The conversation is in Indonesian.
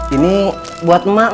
ini buat mak